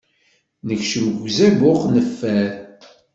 Nekcem deg uzabuq neffer.